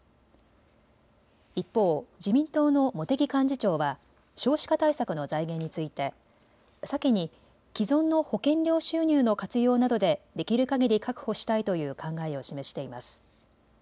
一方、自民党の茂木幹事長は少子化対策の財源について先に、既存の保険料収入の活用などでできるかぎり確保したいという考えを示しています。